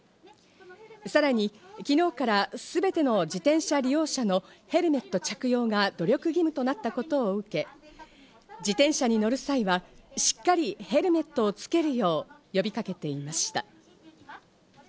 さらに昨日からすべての自転車利用者のヘルメット着用が努力義務となったことを受け、自転車に乗る際は、しっかりヘルメットをつけるよう呼びかけていました。